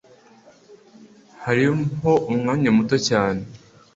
Hariho umwanya muto cyane